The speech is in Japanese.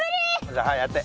じゃあはいやって。